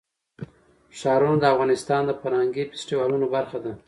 ښارونه د افغانستان د فرهنګي فستیوالونو برخه ده.